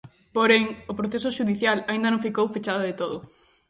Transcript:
Porén, o proceso xudicial aínda non ficou fechado de todo.